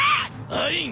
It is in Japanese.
アイン。